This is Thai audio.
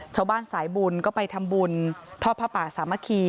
ชาวบ้านสายบุญก็ไปทำบุญทฤภปรรถสามละครี